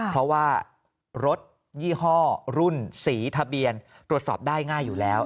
เพราะว่ารถยี่ห้อรุ่นสีทะเบียนตรวจสอบได้ง่ายอยู่แล้ว